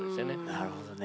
なるほどね。